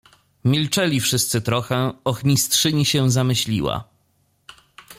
"Milczeli wszyscy trochę, ochmistrzyni się zamyśliła."